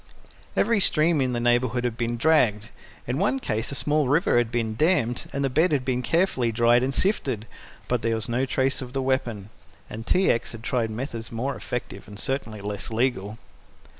Every stream in the neighbourhood had been dragged. In one case a small river had been dammed, and the bed had been carefully dried and sifted, but there was no trace of the weapon, and T. X. had tried methods more effective and certainly less legal.